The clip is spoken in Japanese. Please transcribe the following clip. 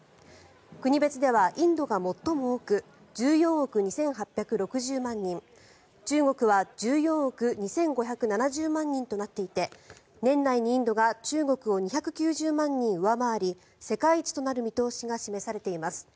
国別では、インドが最も多く１４億２８６０万人中国は１４億２５７０万人となっていて年内にインドが中国を２９０万人上回り世界一となる見通しが示されています。